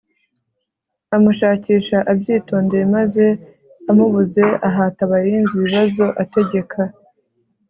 amushakisha abyitondeye maze amubuze ahata abarinzi ibibazo ategeka